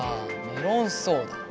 メロンソーダ。